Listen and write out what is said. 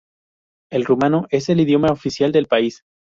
El rumano es el idioma oficial del país.